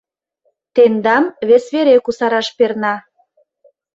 — Тендам вес вере кусараш перна...